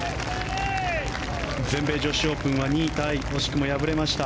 全米女子オープンは２位タイ惜しくも敗れました。